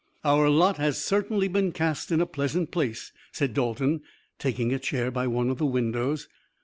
"Our lot has certainly been cast in a pleasant place," said Dalton, taking a chair by one of the windows.